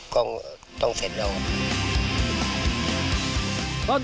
ก็ต้องเสร็จแล้ว